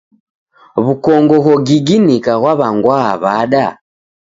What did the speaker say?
W'ukongo ghogiginika ghwaw'angwagha w'ada?